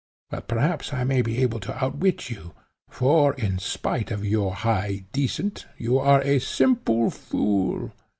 But perhaps I may be able to outwit you, for, in spite of your high descent, you are a simple fool.